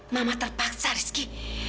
mama terpaksa reski